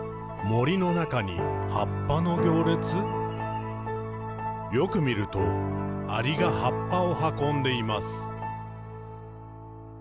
「森の中に、葉っぱの行列」「よく見ると、アリが葉っぱをはこんでいます。」